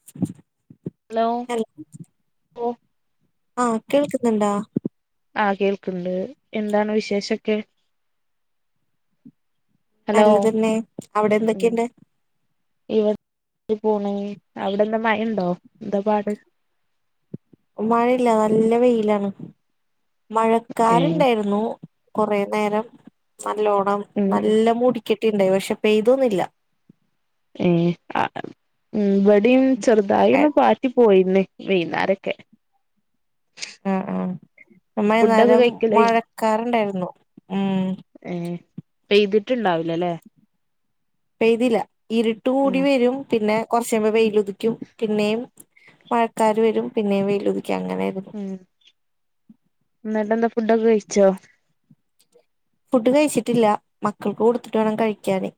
[unintelligible] Hello ഓഹ് ആഹ് കേൾക്ക്ന്ന്ണ്ടാ? ആഹ് കേൾക്ക്ണ്ട് എന്താണ് വിശേഷൊക്കെ? ഹലോ നല്ലത് തന്നെ അവിടെ എന്തൊക്കെയുണ്ട്. വിട്ട് പോണ് അവിടെ എന്താ മഴ ഉണ്ടോ, എന്താ പാട്. മഴയില്ല നല്ല വെയിലാണ്, ഏ മഴക്കാർ ഇണ്ടായിരുന്നു. കുറെ നേരം നല്ലോണ്ണം ഉം ഉം നല്ല മുടിക്കട്ടിണ്ടായി, പക്ഷെ പെയ്തൊന്നില്ല. ഏഹ് ആഹ് ഇവിടെയും ചെറുതായി ഒന്ന് ഏഹ് പറി. പോയില്ലേ വൈകുന്നാരൊക്കെ. ഉം ഉം നമ്മള് ഈ ഫുഡൊക്കെ നേരം കഴിക്കല് മഴക്കാറുണ്ടായിരുന്നു ഉം. ഉം പെയ്തിട്ടുണ്ടാവില്ലല്ലേ. പെയ്തില്ല ഇരുട്ട് കൂടി ഉം വരും പിന്നെ. കൊറച്ച് കഴിയുമ്പോ വെയില് ഉദിക്കും, പിന്നെയും മഴക്കാര് വരും പിന്നെയും വെയില് ഉദിക്കും അങ്ങനെയാണ്. ഉം എന്നിട്ട് എന്താ ഫുഡ് ഒക്കെ കഴിച്ചോ? ഫുഡ് കഴിച്ചിട്ടില്ല, മക്കൾക്ക് കൊടുത്തിട്ട് വേണം കഴിക്കാന്.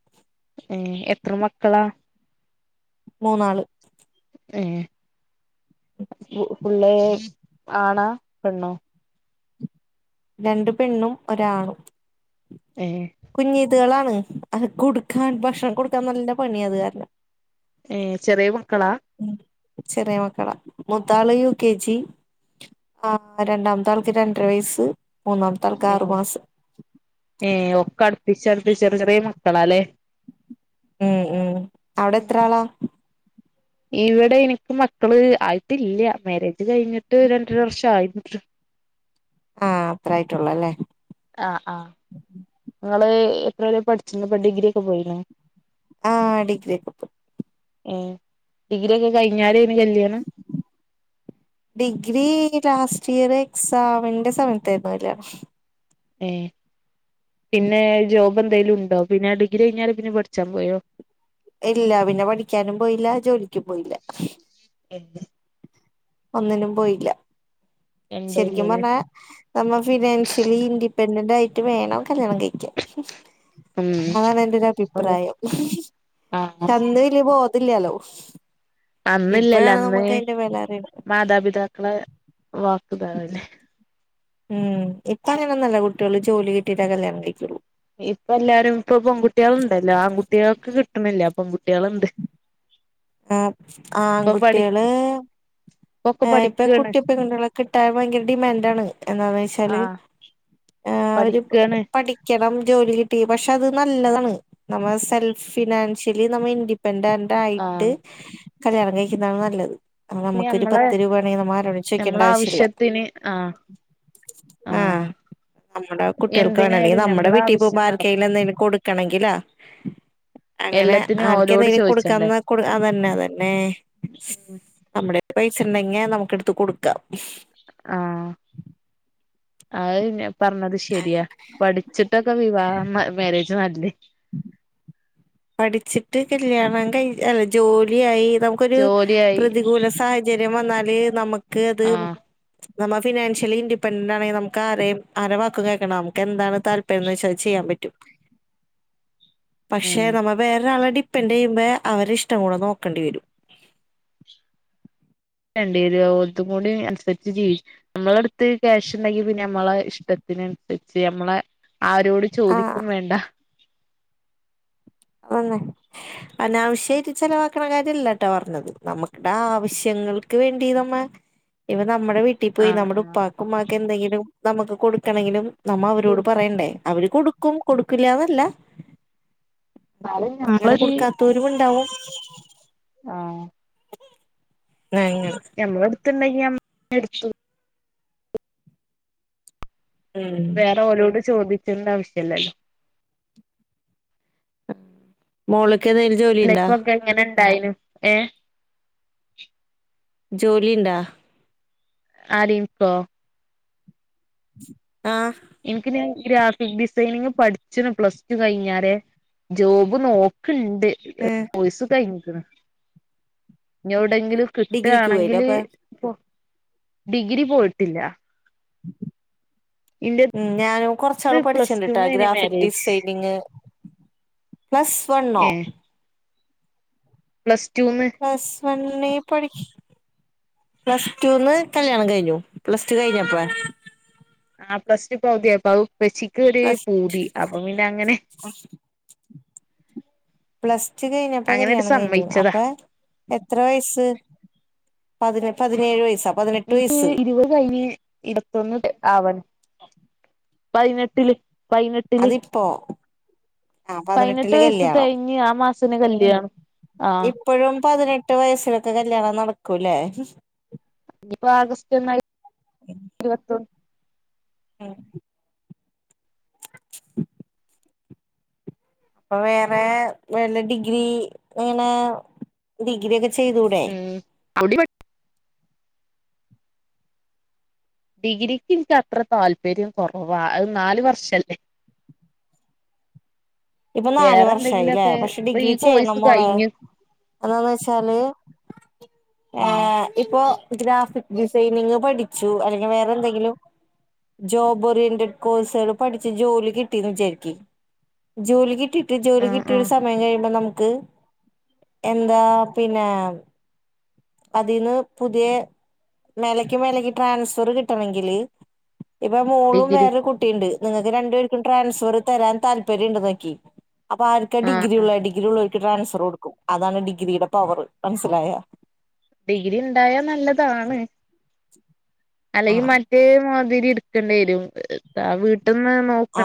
ഏഹ് എത്ര മക്കളാ? മൂന്നാള്. ഏഹ് ഫുള്ളാ ആണാ പെണ്ണോ? രണ്ടു പെണ്ണും ഒരാണും. ഏഹ് കുഞ്ഞിതളാണ് അത് കൊടുക്കാൻ ഭക്ഷണം കൊടുക്കാൻ നല്ല പണി അത് കാരണം. ഏഹ് ചെറിയ മക്കളാ? ഉം ചെറിയ മക്കളാ മുത്താള് യു കെ ജി. ആഹ് രണ്ടാമത്തെ ആൾക്ക് രണ്ടര വയസ്സ് മൂന്നാമത്താൾക്ക് ആറു മാസം. ഏഹ് ഒക്കെ അടുപ്പിച്ച് അടുപ്പിച്ച് ചെറിയ ചെറിയ മക്കളല്ലേ? ഉം ഉം അവിടെ എത്ര ആളാ? ഇവിടെ എനിക്ക് മക്കള് ആയിട്ടില്ല, മാരേജ് കഴിഞ്ഞിട്ട് രണ്ടര വർഷ ആയി. ആഹ് അത്ര ആയിട്ടുള്ളല്ലേ. ആഹ് ആഹ് ഇങ്ങള് എത്രവരെ പഠിച്ചുണ്ട്, ഡിഗ്രി ഒക്കെ പോയിനോ? ആഹ് ഡിഗ്രിയൊക്കെ പോയി. ഏഹ് ഡിഗ്രി ഒക്കെ കഴിഞ്ഞാണ് കല്യാണം. ഡിഗ്രി ലാസ്റ്റ് ഇയർ എക്സാമിന്റെ സമയത്തായിരുന്നു കല്യാണം. ഏഹ് പിന്നെ ജോബ് എന്തെലും ഉണ്ടോ, പിന്നെ ഡിഗ്രി കഴിഞ്ഞാല് പിന്നെ പഠിച്ചാൻ പോയോ? ഇല്ല പിന്നെ പഠിക്കാനും പോയില്ല ജോലിക്കും പോയില്ല. എ ഒന്നിനും പോയില്ല രണ്ടും ശരിക്കും ഇല്ലല്ലേ പറഞ്ഞാൽ. നമ്മള് ഫിനാൻഷ്യലി ഇൻഡിപെൻഡന്റ് ആയിട്ട് വേണം കല്യാണം കഴിക്കാൻ. ഉം അതാണ് എന്റെയൊരു ഒന്ന് അഭിപ്രായം ആഹ് അന്ന് വെല്ല്യ ബോധം ഇല്ലല്ലോ? അന്നില്ലല്ലേ അന്ന് വില അറിയുന്നത് മാതാപിതാക്കളെ വാക്കുതാവും തന്നെ. ഉം ഇപ്പ അങ്ങനെ ഒന്നുമല്ല കുട്ടിയോള് ജോലി കിട്ടിട്ടാ കല്യാണം കഴിക്കൊള്ളൂ. ഇപ്പ എല്ലാരും ഇപ്പ പെൺകുട്ടിയോള് ഉണ്ടല്ലോ ആൺകുട്ടികൾക്ക് കിട്ട്ണില്ല പെൺകുട്ടിയോള് ഉണ്ട്. ആഹ് ഇപ്പൊ പഠി ആൺകുട്ടിയോള്. ഇപ്പൊക്കെ ഇപ്പ പഠിക്കാണ് കുട്ടിപ്പെണ്ണുകളെ കിട്ടാൻ ഭയങ്കര ഡിമാൻഡ് ആണ് എന്താന്ന് വെച്ചാല്. ആഹ് ആഹ് അവര് പഠിക്കാണ് പഠിക്കണം ജോലി കിട്ടി പക്ഷെ അത് നല്ലതാണ് നമ്മള് സെൽഫ്. ഫിനാൻഷ്യലി നമ്മൾ ഇൻഡിപെൻഡന്റ് ആയിട്ട് ആഹ് കല്യാണം കഴിക്കുന്നതാണ് നല്ലത്. അ ഇനി നമുക്കൊരു നമ്മളെ പത്ത് രൂപാണെങ്കി നമ്മ ആരോടും ചോയ്ക്കണ്ട നമ്മളെ ആവശ്യല്ല ആവശ്യത്തിന് ആഹ് ആ ആഹ് നമ്മുടെ കുട്ടിയാൾക്കാണ് അല്ലെങ്കി എന്തിനായാലും നമ്മടെ നമ്മളെ വീട്ടി പൊവുമ്പൊ ആവശ്യം നടക്കും ആർക്കേലും എന്തേലു കൊട് ക്കണെങ്കിലാ അങ്ങനെ എല്ലാത്തിനും ഓലോട് ആർക്കെന്തനി ചോദിച്ചണ്ടേ കൊടുക്കാന്ന അതന്നെ അതന്നെ നമ്മുടെല് പൈസ ഇണ്ടെങ്കി നമുക്ക് എടുത്ത് കൊടുക്കാം ആ അത് ഇന്നെ പറഞ്ഞത് ശരിയാ പഠിച്ചിട്ടൊക്കെ വിവാഹം മാരേജ് നല്ലെത് പഠിച്ചിട്ട് കല്യാണം കഴി അല്ല ജോലിയായി നമുക്കൊരു ജോലിയായി പ്രതികൂല സാഹച ചര്യം വന്നാല് നമക്കത് ആഹ് നമ്മ ഫിനാൻ്യലി ഇൻിെപെന്റന്റ് ആണെങ്കി നമക്കാരെയും ആരെ വക്കും കേക്കണ്ട നമുകെന്താണ് താല്പര്യംന്ന് വെച്ചാ അത് ചെയാൻ പറ്റും ഉം പക്ഷെ നമ്മൾ വേറൊരാളെ ഡിപ്പെന്റ് ചെയ്യുമ്പയെ അവരെ ഇഷ്ടം കൂടെ നോക്കെണ്ടിവെരും ണ്ടേരും ഓൽതും കൂടി അൻസരിച്ച് ജീവി നമ്മള അടുത്ത് ക്യാഷ് ഉണ്ടങ്കി പിന്നെ നമ്മളെ ഇഷ്ടത്തിനൻസരിച്ച് നമ്മളെ ആരോടും ചോദിക്കും ആഹ് വേണ്ട ആന്നൊ അനാവിശ്യായിട്ട് ചെലവാക്ക്ണ കാര്യല്ല ട്ടോ പറഞ്ഞത് നമ്മക്ടെ ആവശ്യങ്ങൾക്ക് വേണ്ടി നമ്മ ഇപ്പ നമ്മടെ വീട്ടി പോയി ആഹ് നമ്മടെ ആഹ് ഉപ്പാക്കും ഉമ്മാക്കും എന്തെങ്കിലും നമുക്ക് കൊടുക്കണെങ്കിലും നമ്മ അവരോട് പറയണ്ടേ അവര് കൊടുക്കും കൊടുക്കില്ലാന്നല്ല എന്നാലും അങ്ങനെ നമ്മളൊരു കൊടുക്കാത്തൊരുമുണ്ടാവാം ആഹ് [unintelligible] ഞമ്മളെ എട്ത്ത്ണ്ടെങ്കി ഞമ്മള് മേടിച്ചു ഉം വേറെ ഓലോട് ചോദിക്കണ്ട ആവിശ്യല്ലല്ലോ ആഹ് മോള്ക്കെ [unintelligible] ലൈഫോക്കെ എങ്ങനെ ഇണ്ടായിനു ഏഹ് ജോലി ഇണ്ടാ? ആര് ഇൻക്കോ? ആഹ്. ഇൻക്ക് ഞാൻ ഗ്രാഫിക് ഡിസൈനിങ് പഠിച്ചണ് പ്ലസ് ടു കഴിഞ്ഞാരെ ജോബ് നോക്ക്ണ്ട് ഏഹ് കൊയ്സ് കഴിഞ്ഞിക്ക്ണ് ഇഞ് എവിടെങ്കിലും ഡിഗ്രിക്ക് പോയില്ലേ കിട്ടാണെങ്കില് അപ്പൊ ഡിഗ്രി പോയിട്ടില്ല ഇന്റെ ഉം ഞാനും കൊർച്ചാള് പഠിച്ചിണ്ടിട്ടാ ഗ്രാഫിക് മാരേജ് ഡിസൈനിങ് പ്ലസ് വണ്ണോ? ഏഹ് പ്ലസ് റ്റൂ ന്ന് പ്ലസ് വണ്ണി പഠിക്ക- പ്ലസ് റ്റൂ ന്ന് കല്യാണം കഴിഞ്ഞു പ്ലസ് റ്റു കഴിഞ്ഞപ്പ ആ പ്ലസ് ടു പൗതിയായപ്പൊ അത് ഇപ്പച്ചിക്ക് ഒരു പ്ലസ് പൂതി അപ്പൊ പിന്നെ അങ്ങനെ പ്ലസ് ടു കഴിഞ്ഞിപ്പ അങ്ങനെട്ട് കല്യാണം കഴിഞ്ഞു സമ്മയിച്ചതാ അപ്പാ എത്ര വയസ്സ് പതിനെട്ടു പതിനേഴ് വയസ്സാ? പതിനെട്ട് ഇൻക്ക് വയസ്സ് ഇരുപത് കഴിഞ്ഞ് ഇരുപത്തൊന്ന് ആവാണ് പതിനെട്ടില് പതിനെട്ടില് അതിപ്പോ ആ പതിനെട്ട് പതിനെട്ടില് വയസ് കല്യാണം തെകഞ്ഞ് ആ മാസന്നെ കല്യാണം ആ ഇപ്പഴും പതിനെട്ട് വയസ്സിലൊക്കെ കല്യാണം നടക്കൂല്ലേ? ഇഞ്ഞിപ്പോ ആഗസ്റ്റ് ഒന്നായി ഇരുവത്തൊന്ന് ഉം... അപ്പൊ വേറെ വല്ല ഡിഗ്രി ഇങ്ങനെ ഡിഗ്രി ഒക്കെ ചെയ്തൂടെ? ഉം അവിടെ ഡിഗ്രിക്ക് എനിക്ക് അത്ര താല്പര്യം കുറവാ നാലു വർഷംല്ലേ. ഇപ്പൊ നാല് വേറെ വർഷായില്ലേ എന്തെങ്കിലുമൊക്കെ പക്ഷെ ഇപ്പൊ ഡിഗ്രി ഈ ചെരണം കോഴ്സ് മോളോ കഴിഞ്ഞ് എന്താന്ന് വെച്ചാല്. എ ആഹ് ഇപ്പൊ ഗ്രാഫിക് ഡിസൈനിങ് പഠിച്ചു അല്ലെങ്കിൽ വേറെ എന്തെങ്കിലും. ജോബ് ഓറിയന്റഡ് കോഴ്സുകള് പഠിച്ച് ജോലി കിട്ടിയന്ന് വിചാരിക്ക്. ജോലി കിട്ടിട്ട് ജോലി ആഹ് കിട്ടിയ ഒരു ആഹ് സമയം കഴിയുമ്പോ നമുക്ക്. എന്താ പിന്നെ. അതിൽന്ന് പുതിയ മേലക്ക് മേലക്ക് ട്രാൻസ്ഫർ കിട്ടണെങ്കില്. ഇപ്പൊ മോളും ഡിഗ്രി വേറൊരു കുട്ടിയുണ്ട് നിങ്ങൾക്ക് രണ്ടു പേർക്കും ട്രാൻസ്ഫർ തരാൻ താല്പര്യം ഉണ്ട് എന്ന് വെക്ക്. അപ്പൊ ആർക്ക ആഹ് ഡിഗ്രി ഉള്ള ആഹ് ഡിഗ്രി ഉള്ളവർക്ക് ട്രാൻസ്ഫർ കൊടുക്കും അതാണ് ഡിഗ്രിയുടെ പവറ് മനസ്സിലായ. ഡിഗ്രി ഇണ്ടായാൽ നല്ലതാണ്. [inaudible] അല്ലെങ്കിൽ മറ്റേ മാതിരി എടുക്കേണ്ടി വരും ആ വീട്ടന്ന്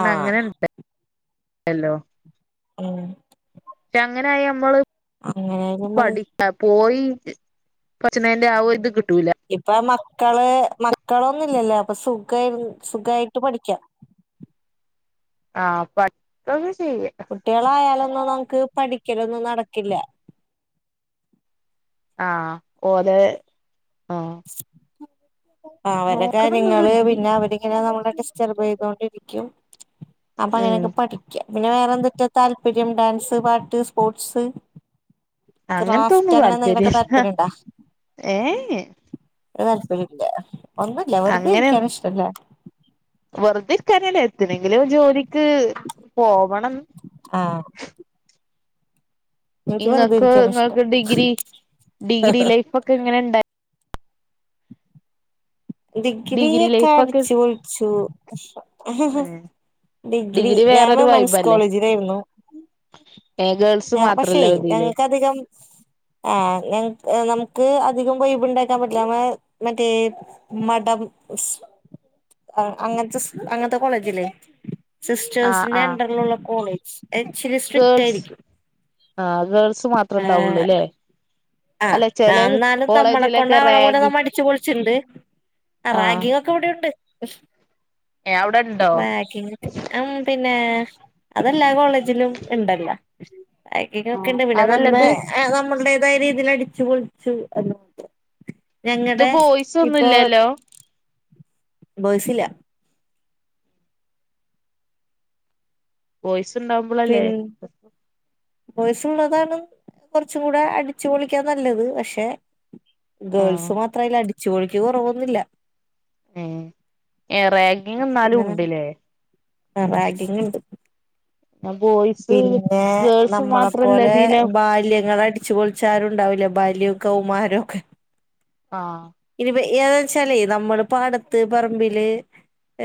ആ അങ്ങനെ. ഹലോ ടലോ ഉം. അങ്ങനെയാ നമ്മള് അങ്ങനെയായാലും മതി പഠി ആ പോയി പച്ച നേന്റെ ആവു ഇത് കിട്ടൂല. ഇപ്പ മക്കള് മക്കളൊന്നുല്ലല്ലോ അപ്പൊ സുഖ സുഖായിട്ട് പഠിക്കാം. ആഹ് പഠിക്കക്കെ ചെയ്യ കുട്ടിളായാലൊന്നും നമുക്ക് പഠിക്കലൊന്നും നടക്കില്ല. ആ ഓലോ ആഹ്. അവരെ നോക്കണം എന്നുള്ള കാര്യങ്ങള്. ഡിഗ്രി പിന്നെ അവര് നമ്മള ഡിസ്റ്റർബ് ചെയ്തൊണ്ടിരിക്കും അപ്പൊ ഉം അങ്ങനൊക്കെ പഠിക്കൃ പിന്നെ വേറെന്തുട താല്പര്യം ഡാൻസ്, പാട്ട്, സ്പോർട്സ്. ക്രാഫ്റ്റ് അങ്ങനത്തൊന്നും അങ്ങനെ എന്തെങ്കിലൊക്ക താല്പര്യ ഉണ്ടാ. ഏ എ ഒരു താല്പര്യയില്ല ഒന്നുല്ല വെറുതെ അങ്ങനെ ഇനിക്കാണും ഇഷ്ടല്ല. വെറുതെ ഇരിക്കാനും എന്തിനെങ്കിലുംഒര് ജോലിക്ക് പോവണം. ആഹ് എനിക്ക് വെറുതെ ഇങ്ങക്ക് ഇരിക്കാന ഇങ്ങൾക് ഇഷ്ടം ഡിഗ്രി ഡിഗ്രി ലൈഫ് ഒക്കെ ഇങ്ങനെണ്ടാ ഡിഗ്രി ഒക്കെ അടിച്ചു പൊളിച്ചു. ഹ ഏഹ് ഡിഗ്രി ഞാന് വുമെൻസ് കോളേജിലാരുന്നു. ഏ ഗേൾസ് നാ പക്ഷേ മാത്രല്ലേ ഇതില് ഞങ്ങക്ക് അധികം. ആഹ് ഞങ് നമുക്ക് അധികം വൈബ് ഉണ്ടാക്കാൻ പറ്റ്ല്ലാ. നമക് മറ്റേ മഡം സ് അങ്ങനത്ത സ് അങ്ങനത്ത കോളേജില്ലേ. ആഹ് സിസ്റ്റേഴ്സിന്റെ ആഹ് അണ്ടറിലുള്ള കോളേജ് ഇച്ചിരി സ്ട്രിക്റ്റ് ഗേൾസ് ആയിരിക്കും. ആഹ് ഗേൾസ് മാത്രം ഇണ്ടാവുള്ളുല്ലേ? ആഹ് ആന്നാലും നമ്മള കൊണ്ടാവണ പോല റാഗി നമ്മ അടിച്ചു പൊളിച്ചുണ്ട്. ആഹ് റാഗി കൂടെ ഉണ്ട് ഏ അവിടെണ്ടോ ബാക്കിം അം പിന്നെ അതെല്ലാ കോളേജിലും ഇണ്ടല്ല. ആക്കിങ്ങ് ആഹ് ഒക്കെണ്ട് പിന്നെ അതല്ല നമ്മെ ഇത് ആഹ് നമ്മള്ടേതായ രീ തില് അടിച്ചു പൊളിച്ചു. എന്ന് ഇത് ഞങ്ങടെ വോയിസ് ഒന്നും ഇപ്പോ ഇല്ലല്ലോ ബോയ്സില്ല ബോയിസ് ഇണ്ടാവുമ്പളല്ലേ ബോയിസ് ഉള്ളതാണും കൊറച്ചും കൂടെ അടിച്ചു പൊളിക്കാൻ നല്ലത് പക്ഷേ ആഹ് ഗേൾസ് മാത്രം ആയാലും അടിച്ചുപൊളിക്ക് കൊറവ് ഒന്നും ഇല്ല ഏ എ റാഗിങ് എന്നാലും ഉണ്ട്ല്ലേ ആഹ് റാഗിങ്ങിണ്ട് ഞാൻ പോയി പിന്നെ നമ്മളെപ്പോലെ ഇതില് ബാല്യങ്ങളടി ച്ച് പൊളിച്ചാരും ഉണ്ടാവില്ല ബാല്യോം കൗമാരോക്കെ ആഹ് ഇനിപ്പ ഏതാച്ചാലേ നമ്മള് പാടത്ത് പറമ്പില്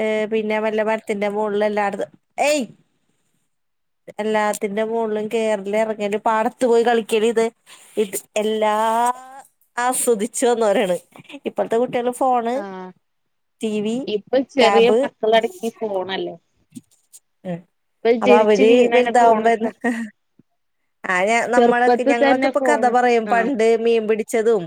ഏ പിന്നെ വല്ല മരത്തിന്റെ മോളില് എല്ലാ അടത് ഏയ് എല്ലാത്തിന്റെ മോളിലും കേറല് ഇറങ്ങല് പാടത്തു പോയി കളിക്കല് ഇത് ഇത് എല്ലാ ആസ്വദിച്ചു വന്നവരാണ് ഇപ്പള്ത്ത കുട്ടികളും ഫോണ്, ആഹ് ടിവി, ഇപ്പൊ ചെറിയ ടാബ് മക്കളടക്കി ഫോണല്ലേ ഉം ഇപ്പൊ അപ്പ ജനിച്ചു അവര് വീണന്നെ വലുതാവുമ്പോന്ന ഫോണൊക്കെ ആഹ് ഞാ നമ്മളക്കെ ചെറുപ്പത്തി ഞങ്ങളൊക്കെ തന്നെ ഇപ്പം കഥ ഫോണ് പറയും ആഹ് പണ്ട് മീൻ പിടിച്ചതും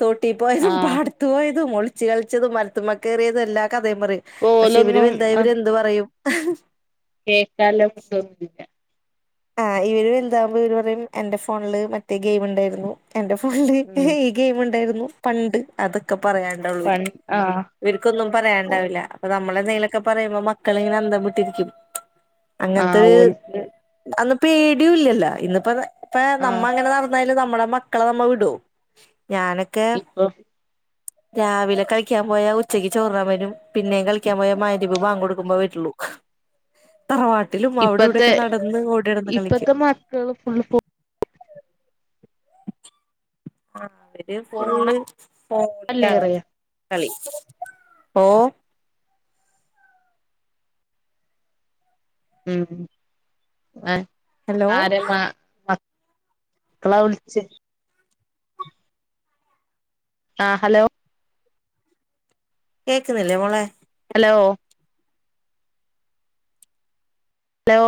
തൊട്ടി പോയതും, ആഹ് പാടത്തു പോയതും, ഒളിച്ച് കളിച്ചതും, മരത്തുമ്മ കേറിയതും എല്ലാ കഥേം പറയും പക്ഷേ ഇവരു ഓലൊന്നും വൽതായാ ഇവര് എന്ത് പറയും കേട്ടാലും ഇവൽക്കൊന്നും ഇല്ല ആഹ് ഇവര് വലുതാവുമ്പം ഇവര് പറയും എന്റെ ഫോണില് മറ്റേ ഗെയിം ഉണ്ടായിരുന്നു എന്റെ ഫോണില് ഉം ഗെയിമ് ഉണ്ടായിരുന്നു പണ്ട് അതൊക്കെ പറയാണ്ടാ വുള്ളു ഇവൽക്ക് പണ്ട് ആഹ് ഇവർക്കൊന്നും പറയാൻ ഇണ്ടാവില്ല അപ്പോ നമ്മള് എന്തെങ്കിലൊക്കെ പറയുമ്പോ മക്കളിങ്ങനെ അന്തംവിട്ടിരിക്കും ആഹ് ഓൽന്ത് അന്ന് പേടിയും ഇല്ലല്ലാ ഇന്നിപ്പം ഇപ്പ നമ്മ ആഹ് അങ്ങനെ നട എന്നായല് നമ്മള മക്കളെ നമ്മ വിടോ ഞാനൊക്കെ ഇപ്പൊ രാവിലെ കളിക്കാൻ പോയാ ഉച്ചയ്ക്ക് ചോറിന്നാൻ വരും പിന്നേം കളിക്കാൻ പോയാ മരിവ് വാങ്കൊടുക്കുമ്പോ വരുള്ളൂ ത്തിലും അവിടെ ഇപ്പത്തെ ഇവിടെക്കെ നടന്ന് ഓടി നടന്ന് കളിക്കും ഇപ്പത്തെ മക്കള് ഫുള്ള് പൊ ഫോണല്ലേ ആഫോണിലാണ് പറയാ കളി ഓ ഉം ആ ഹലോ ആരെമ്മ മ മക്കളാ വിളിച്ച ആ ഹലോ കേൾക്കുന്നില്ലേ മോളെ ഹലോ ഹലോ